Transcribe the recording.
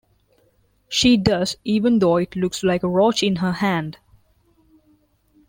She does, even though it looks like a roach in her hand.